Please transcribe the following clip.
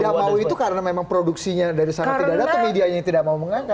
tidak mau itu karena memang produksinya dari sana tidak ada atau medianya tidak mau mengangkat